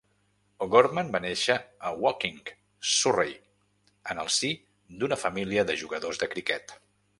O'Gorman va néixer a Woking, Surrey, en el si d'una família de jugadors de criquet.